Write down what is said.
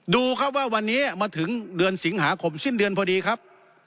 ดูครับว่าวันนี้มาถึงเดือนสิงหาคมสิ้นเดือนพอดีครับ